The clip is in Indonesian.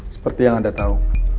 seperti yang anda tahu